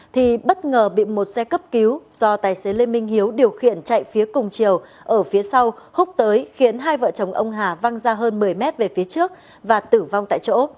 thì bất ngờ bị một xe cấp cứu do tài xế lê minh hiếu điều khiển chạy phía cùng chiều ở phía sau húc tới khiến hai vợ chồng ông hà văng ra hơn một mươi mét về phía trước và tử vong tại chỗ